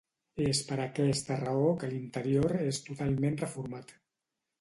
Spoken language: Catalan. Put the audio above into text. És per aquesta raó que l’interior és totalment reformat.